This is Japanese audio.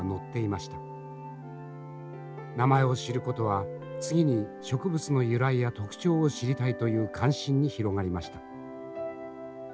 名前を知ることは次に植物の由来や特徴を知りたいという関心に広がりました。